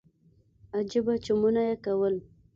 عجيبه چمونه يې کول.